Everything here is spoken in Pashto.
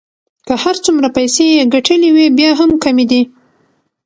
که هر څومره پیسې يې ګټلې وې بیا هم کمې دي.